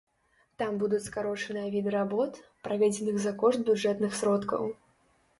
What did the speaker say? Там будуць скарочаныя віды работ, праведзеных за кошт бюджэтных сродкаў.